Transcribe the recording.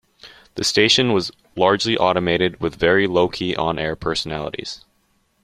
The station was largely automated with very low-key on-air personalities.